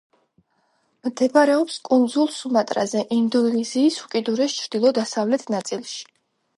მდებარეობს კუნძულ სუმატრაზე, ინდონეზიის უკიდურეს ჩრდილო-დასავლეთ ნაწილში.